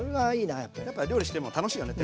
やっぱ料理しても楽しいよね